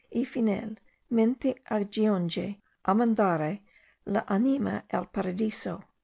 ], e finel[?]mente aggionge a mandare le anime al Paradiso.")